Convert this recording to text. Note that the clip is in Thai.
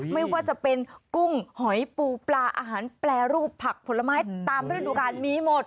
ไม่ว่าจะเป็นกุ้งหอยปูปลาอาหารแปรรูปผักผลไม้ตามฤดูกาลมีหมด